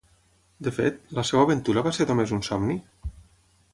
De fet, la seva aventura va ser només un somni?